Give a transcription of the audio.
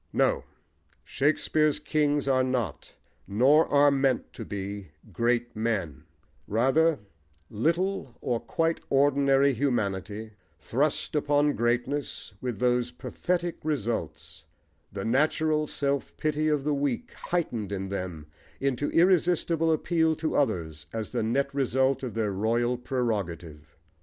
No! Shakespeare's kings are not, nor are meant to be, great men: rather, little or quite ordinary humanity, thrust upon greatness, with those pathetic results, the natural self pity of the weak heightened in them into irresistible appeal to others as the net result of their royal prerogative.